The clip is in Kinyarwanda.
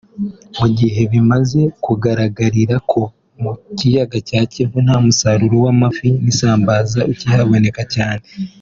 mu gihe bimaze kugaragarira ko mu kiyaga cya Kivu nta musaruro w’amafi n’isambaza ukihaboneka cyane